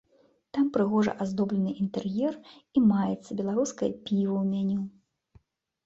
Там прыгожа аздоблены інтэр'ер і маецца беларускае піва ў меню.